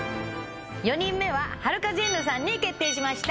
４人目ははるかジェンヌさんに決定しました。